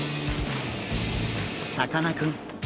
さかなクン